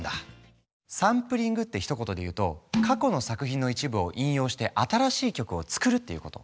サンプリングってひと言で言うと過去の作品の一部を引用して新しい曲を作るっていうこと。